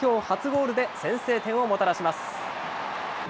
初ゴールで、先制点をもたらします。